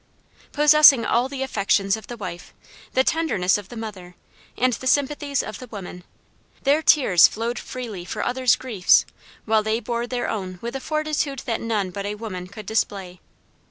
Possessing all the affections of the wife, the tenderness of the mother, and the sympathies of the woman, their tears flowed freely for others' griefs, while they bore their own with a fortitude that none but a woman could display.